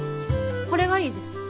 これがいいです。